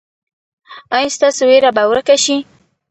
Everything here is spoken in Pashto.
ایا ستاسو ویره به ورکه شي؟